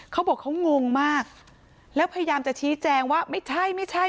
เขาบอกเขางงมากแล้วพยายามจะชี้แจงว่าไม่ใช่ไม่ใช่